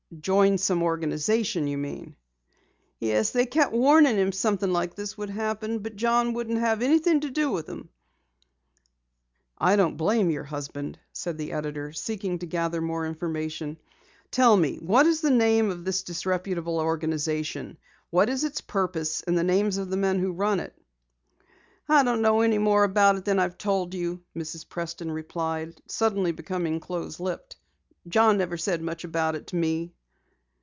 "Join some organization, you mean?" "Yes, they kept warning him something like this would happen, but John wouldn't have anything to do with 'em." "I don't blame your husband," said the editor, seeking to gather more information. "Tell me, what is the name of this disreputable organization? What is its purpose, and the names of the men who run it?" "I don't know any more about it than what I've told you," Mrs. Preston replied, suddenly becoming close lipped. "John never said much about it to me."